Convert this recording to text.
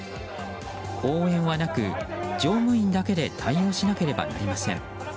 応援はなく、乗務員だけで対応しなければなりません。